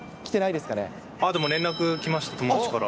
でも連絡来ました、友達から。